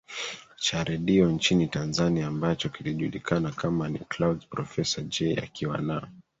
cha redio nchini Tanzania ambacho kilijulikana kama ni Clouds Profesa Jay akiwa na